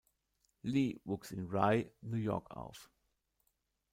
Lee wuchs in Rye, New York auf.